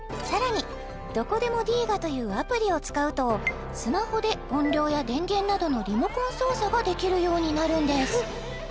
さらにどこでもディーガというアプリを使うとスマホで音量や電源などのリモコン操作ができるようになるんです